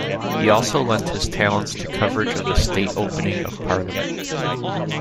He also lent his talents to coverage of the State Opening of Parliament.